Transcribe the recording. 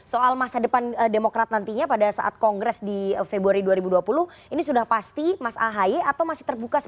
soal masa depan demokrat nantinya pada saat kongres di februari dua ribu dua puluh ini sudah pasti mas ahaye atau masih terbuka